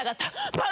バン！